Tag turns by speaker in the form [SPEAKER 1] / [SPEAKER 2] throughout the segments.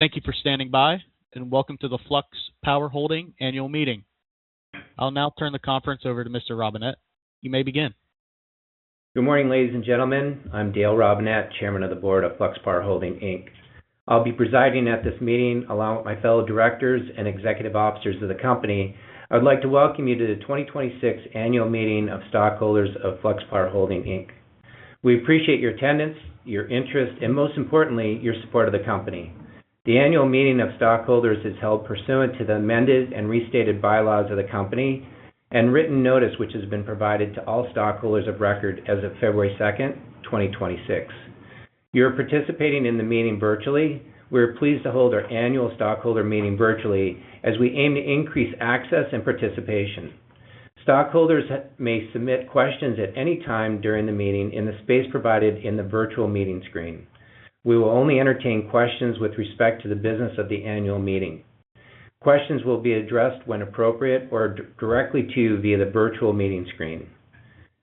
[SPEAKER 1] Thank you for standing by, and welcome to the Flux Power Holdings annual meeting. I'll now turn the conference over to Mr. Robinette. You may begin.
[SPEAKER 2] Good morning ladies and gentlemen. I'm Dale Robinette, Chairman of the board of Flux Power Holdings, Inc. I'll be presiding at this meeting along with my fellow directors and executive officers of the company. I'd like to welcome you to the 2026 annual meeting of stockholders of Flux Power Holdings, Inc. We appreciate your attendance, your interest, and most importantly, your support of the company. The annual meeting of stockholders is held pursuant to the amended and restated bylaws of the company and written notice, which has been provided to all stockholders of record as of February 2, 2026. You're participating in the meeting virtually. We are pleased to hold our annual stockholder meeting virtually as we aim to increase access and participation. Stockholders may submit questions at any time during the meeting in the space provided in the virtual meeting screen. We will only entertain questions with respect to the business of the annual meeting. Questions will be addressed when appropriate or directly to you via the virtual meeting screen.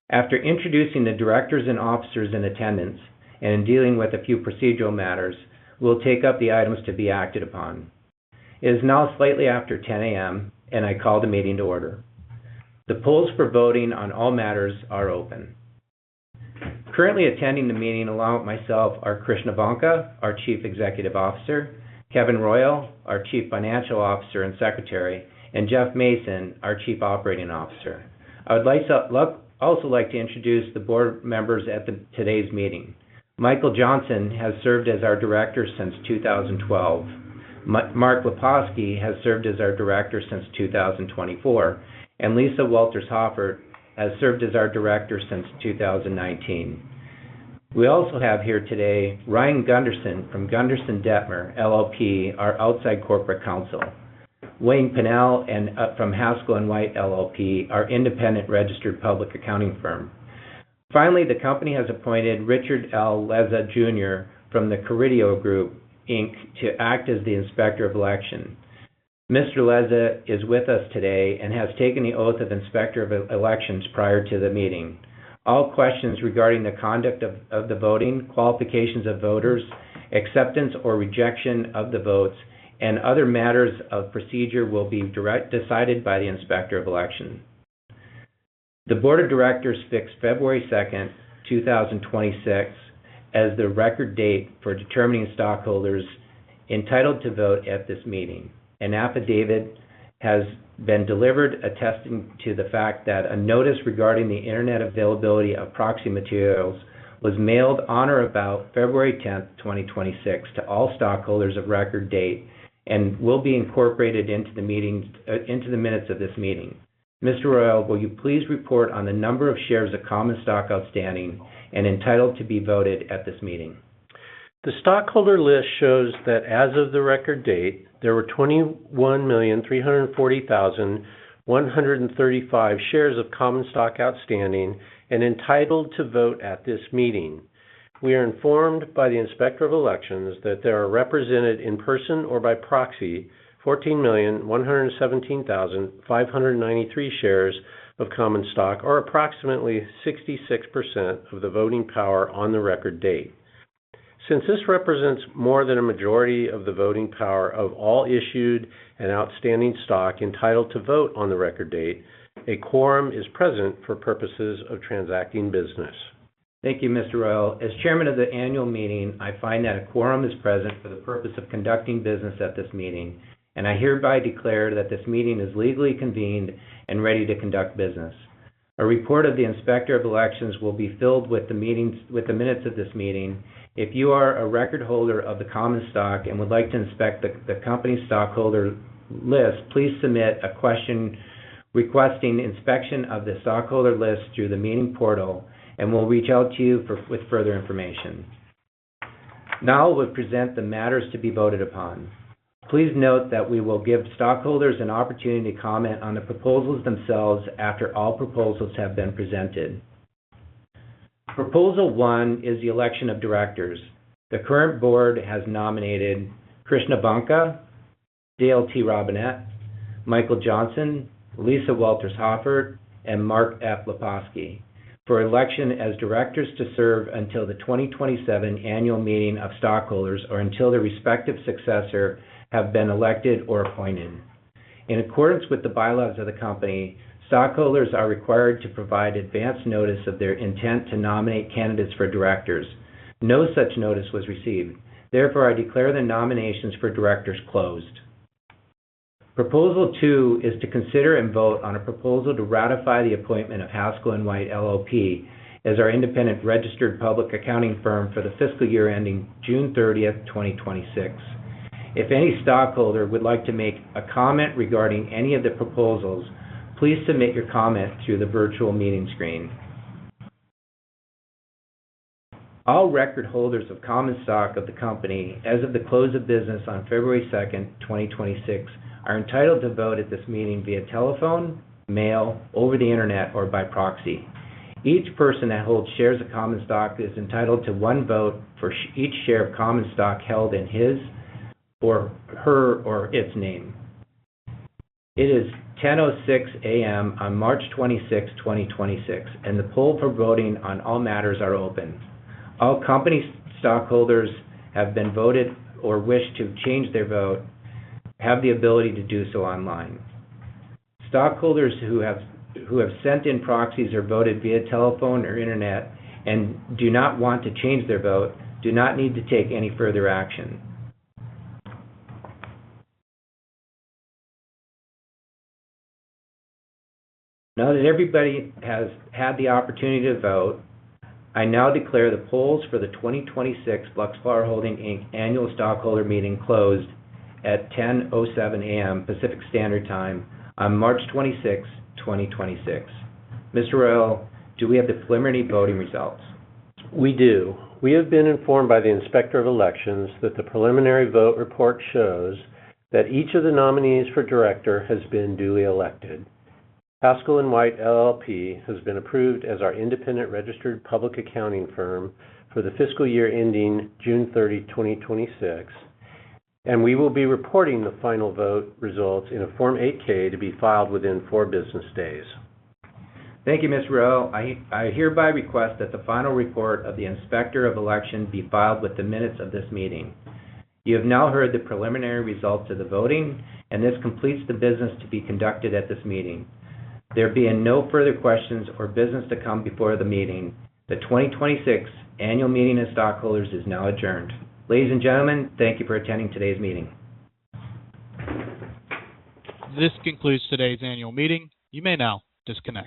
[SPEAKER 2] After introducing the directors and officers in attendance and dealing with a few procedural matters, we'll take up the items to be acted upon. It is now slightly after 10 A.M., and I call the meeting to order. The polls for voting on all matters are open. Currently attending the meeting along with myself are Krishna Vanka, our Chief Executive Officer, Kevin Royal, our Chief Financial Officer and Secretary, and Jeff Mason, our Chief Operating Officer. I would like to also introduce the board members at today's meeting. Michael Johnson has served as our Director since 2012. Mark Leposky has served as our director since 2024, and Lisa Walters-Hoffert has served as our director since 2019. We also have here today Ryan Gunderson from Gunderson Dettmer LLP, our outside corporate counsel. Wayne Pinnell from Haskell & White LLP, our independent registered public accounting firm. Finally, the company has appointed Richard L. Leza Jr. from the Carideo Group, Inc. to act as the Inspector of Election. Mr. Leza is with us today and has taken the oath of Inspector of Elections prior to the meeting. All questions regarding the conduct of the voting, qualifications of voters, acceptance or rejection of the votes, and other matters of procedure will be decided by the Inspector of Election. The board of directors fixed February 2nd, 2026 as the record date for determining stockholders entitled to vote at this meeting. An affidavit has been delivered attesting to the fact that a notice regarding the internet availability of proxy materials was mailed on or about February 10th, 2026 to all stockholders of record date and will be incorporated into the minutes of this meeting. Mr. Royal, will you please report on the number of shares of common stock outstanding and entitled to be voted at this meeting?
[SPEAKER 3] The stockholder list shows that as of the record date, there were 21,340,135 shares of common stock outstanding and entitled to vote at this meeting. We are informed by the Inspector of Election that there are represented in person or by proxy 14,117,593 shares of common stock, or approximately 66% of the voting power on the record date. Since this represents more than a majority of the voting power of all issued and outstanding stock entitled to vote on the record date, a quorum is present for purposes of transacting business.
[SPEAKER 2] Thank you, Mr. Royal. As chairman of the annual meeting, I find that a quorum is present for the purpose of conducting business at this meeting, and I hereby declare that this meeting is legally convened and ready to conduct business. A report of the Inspector of Election will be filed with the minutes of this meeting. If you are a record holder of the common stock and would like to inspect the company's stockholder list, please submit a question requesting inspection of the stockholder list through the meeting portal, and we'll reach out to you with further information. Now we'll present the matters to be voted upon. Please note that we will give stockholders an opportunity to comment on the proposals themselves after all proposals have been presented. Proposal 1 is the election of directors. The current board has nominated Krishna Vanka, Dale T. Robinette, Michael Johnson, Lisa Walters-Hoffert, and Mark F. Leposky for election as directors to serve until the 2027 annual meeting of stockholders or until their respective successor have been elected or appointed. In accordance with the bylaws of the company, stockholders are required to provide advance notice of their intent to nominate candidates for directors. No such notice was received. Therefore, I declare the nominations for directors closed. Proposal 2 is to consider and vote on a proposal to ratify the appointment of Haskell & White LLP as our independent registered public accounting firm for the fiscal year ending June 30, 2026. If any stockholder would like to make a comment regarding any of the proposals, please submit your comment through the virtual meeting screen. All record holders of common stock of the company as of the close of business on February 2nd, 2026 are entitled to vote at this meeting via telephone, mail, over the internet, or by proxy. Each person that holds shares of common stock is entitled to one vote for each share of common stock held in his or her or its name. It is 10:06 A.M. on March 26th, 2026, and the poll for voting on all matters is open. All company stockholders who have voted or wish to change their vote have the ability to do so online. Stockholders who have sent in proxies or voted via telephone or internet and do not want to change their vote do not need to take any further action. Now that everybody has had the opportunity to vote, I now declare the polls for the 2026 Flux Power Holdings, Inc. annual stockholder meeting closed at 10:07 A.M. Pacific Standard Time on March 26th, 2026. Mr. Royal, do we have the preliminary voting results?
[SPEAKER 3] We do. We have been informed by the Inspector of Election that the preliminary vote report shows that each of the nominees for director has been duly elected. Haskell & White LLP has been approved as our independent registered public accounting firm for the fiscal year ending June 30, 2026, and we will be reporting the final vote results in a Form 8-K to be filed within four business days.
[SPEAKER 2] Thank you, Mr. Royal. I hereby request that the final report of the Inspector of Election be filed with the minutes of this meeting. You have now heard the preliminary results of the voting, and this completes the business to be conducted at this meeting. There being no further questions or business to come before the meeting, the 2026 annual meeting of stockholders is now adjourned. Ladies and gentlemen, thank you for attending today's meeting.
[SPEAKER 1] This concludes today's annual meeting. You may now disconnect.